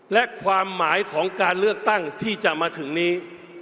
และความหมายของการเลือกตั้งที่จะมาถึงนี้